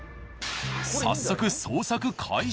早速捜索開始。